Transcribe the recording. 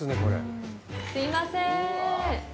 すいません。